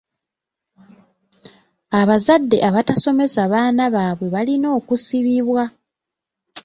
Abazadde abatasomesa baana baabwe balina okusibibwa.